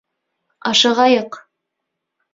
Ашығайыҡ!